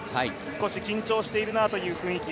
少し緊張しているなという雰囲気。